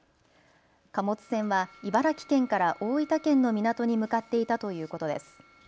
貨物船は茨城県から大分県の港に向かっていたということです。